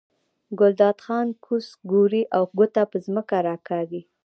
ګلداد خان کوز ګوري او ګوته په ځمکه راکاږي.